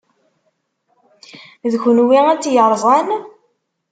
D kenwi ay tt-yerẓan?